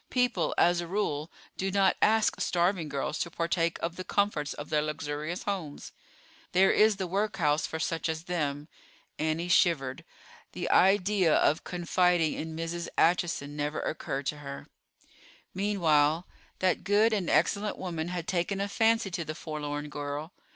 People as a rule, do not ask starving girls to partake of the comforts of their luxurious homes. There is the workhouse for such as them. Annie shivered. The idea of confiding in Mrs. Acheson never occurred to her. Meanwhile, that good and excellent woman had taken a fancy to the forlorn girl.